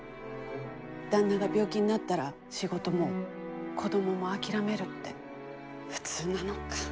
旦那が病気になったら仕事も子どもも諦めるって普通なのか。